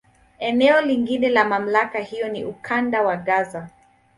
Eneo lingine la MamlakA hiyo ni Ukanda wa Gaza.